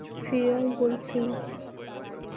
ফিরে আয় বলছি!